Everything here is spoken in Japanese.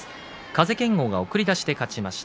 風賢央が送り出しで勝ちました。